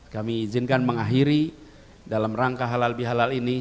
kami izinkan mengakhiri dalam rangka halal bihalal ini